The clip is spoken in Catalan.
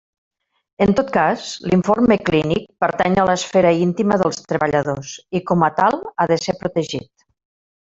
En tot cas, l'informe clínic pertany a l'esfera íntima dels treballadors i com a tal ha de ser protegit.